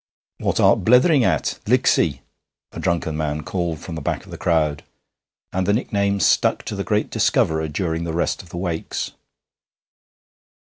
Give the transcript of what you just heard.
'What art blethering at, Licksy?' a drunken man called from the back of the crowd, and the nickname stuck to the great discoverer during the rest of the Wakes.